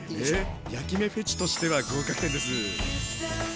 焼き目フェチとしては合格点です。